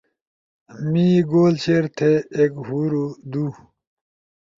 می گول شیئر تھے، ایک، ہورو، دُو